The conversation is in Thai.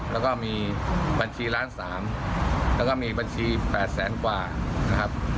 แล้วก็มีบัญชีล้าน๓แล้วก็มีบัญชี๘แสนกว่านะครับ